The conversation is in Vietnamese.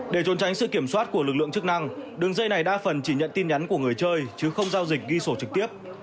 để trôn tránh sự kiểm soát của lực lượng chức năng đường dây này đa phần chỉ nhận tin nhắn của người chơi chứ không giao dịch ghi sổ trực tiếp